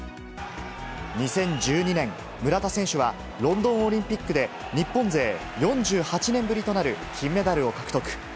２０１２年、村田選手はロンドンオリンピックで、日本勢４８年ぶりとなる金メダルを獲得。